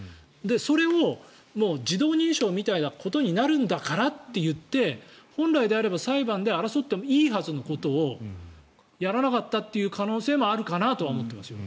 それをもう自動認証みたいなことになるんだからといって本来であれば裁判で争ってもいいはずのことをやらなかったという可能性もあるかなとは思っていますよ。